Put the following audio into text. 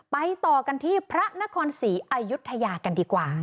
ไปต่อกันที่พระนครศรีอายุทยากันดีกว่า